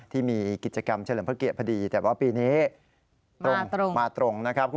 ที่มีกิจกรรมเฉลิมพระเกียรติพอดีแต่ว่าปีนี้ตรงมาตรงนะครับ